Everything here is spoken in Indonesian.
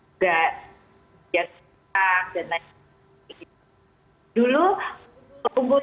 juga jantung tangan dan lain lain